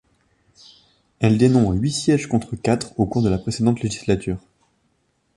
Elle dénombre huit sièges contre quatre au cours de la précédente législature.